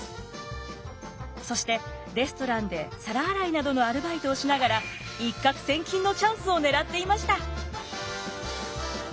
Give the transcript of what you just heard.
そしてレストランで皿洗いなどのアルバイトをしながら一攫千金のチャンスを狙っていました。